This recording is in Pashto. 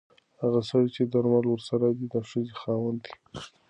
هغه سړی چې درمل ورسره دي د ښځې خاوند دی.